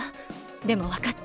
でもわかった。